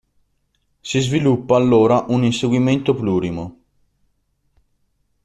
Si sviluppa allora un inseguimento plurimo.